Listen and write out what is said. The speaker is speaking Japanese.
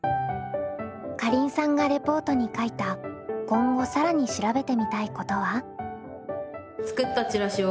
かりんさんがレポートに書いた今後更に調べてみたいことは？